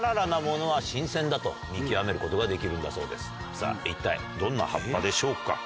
さぁ一体どんな葉っぱでしょうか？